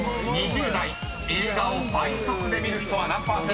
［２０代映画を倍速で見る人は何％か？］